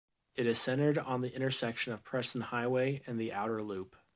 It is centered on the intersection of Preston Highway and the Outer Loop.